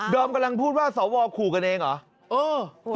ก็ยังกำลังพูดว่าสอวอร์ขู่กันเองหรอ